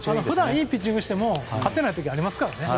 いいピッチングをしても勝てない時がありますからね。